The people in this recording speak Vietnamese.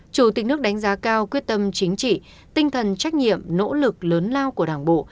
chủ tịch nước đánh giá cao quyết tâm chính trị tinh thần trách nhiệm nỗ lực lớn lao của đảng bộ